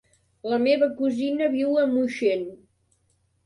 La meva cosina viu a Moixent.